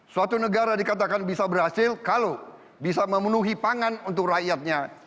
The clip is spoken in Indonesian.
suatu negara dikatakan bisa berhasil kalau bisa memenuhi pangan untuk rakyatnya